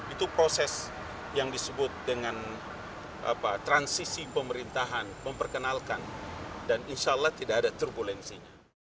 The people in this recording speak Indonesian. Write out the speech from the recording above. itu proses yang disebut dengan transisi pemerintahan memperkenalkan dan insya allah tidak ada turbulensinya